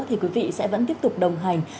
thì quý vị sẽ vẫn tiếp tục đồng hành